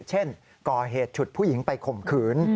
เช่นก่อเหตุฉุดผู้หญิงไปข่มขืน